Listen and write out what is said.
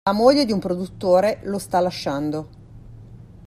La moglie di un produttore lo sta lasciando.